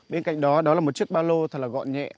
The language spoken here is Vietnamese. bên cạnh đó đó là một chiếc ba lô thật là gọn nhẹ